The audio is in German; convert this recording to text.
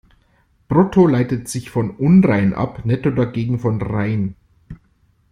Brutto leitet sich von "unrein" ab, netto dagegen von "rein".